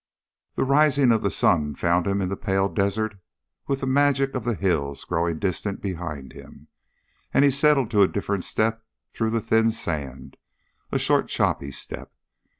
The rising of the sun found him in the pale desert with the magic of the hills growing distant behind him, and he settled to a different step through the thin sand a short, choppy step.